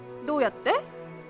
どうやって？